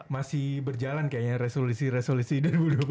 masih berjalan kayaknya resolusi resolusi dua ribu dua puluh empat